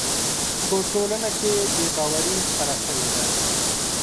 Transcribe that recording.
په ټولنه کي بې باوري خپره سوې ده.